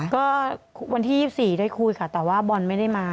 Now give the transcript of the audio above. ก็วันที่๒๔ได้คุยค่ะแต่ว่าบอลไม่ได้มา